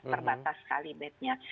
terbatas sekali bednya